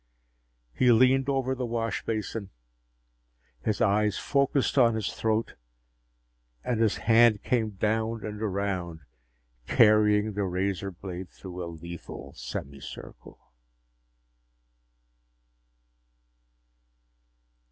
He leaned over the wash basin, his eyes focused on his throat, and his hand came down and around, carrying the razor blade through a lethal semicircle.